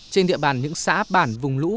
trên địa bàn những xã bản vùng lũ